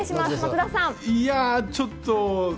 いや、ちょっと。